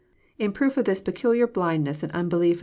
In proof of this peculiar blindness and unbelief of.